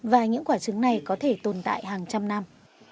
và những quả trứng này có thể tồn tại hàng trăm năm